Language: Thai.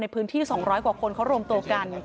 ในพื้นที่๒๐๐กว่าคนเขารวมตัวกัน